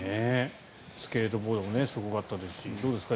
スケートボードもすごかったですしどうですか？